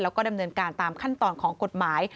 แล้วก็ดำเนินการตามขั้นตอนของกฎหมาย